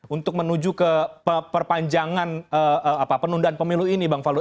untuk menuju ke perpanjangan penundaan pemilu ini bang faldo